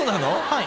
はい。